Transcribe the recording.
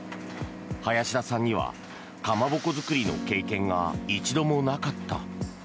林田さんにはかまぼこ作りの経験が一度もなかった。